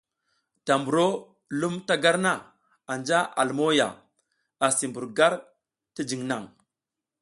Da mburo lum ta gar na anja a lumo ya, asi mbur gar ti jiŋ naŋ.